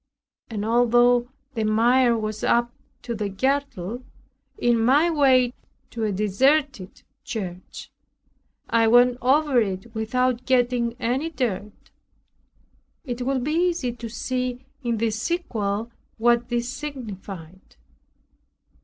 And although the mire was up to my girdle, in my way to a deserted church, I went over it without getting any dirt. It will be easy to see in the sequel what this signified.